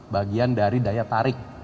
bagian dari daya tarik